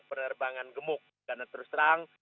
penerbangan gemuk karena terus terang